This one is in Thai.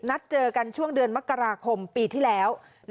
นัดเจอกันช่วงเดือนมกราคมปีที่แล้ว